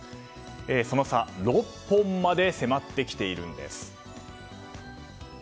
その差は６本まで迫ってきています。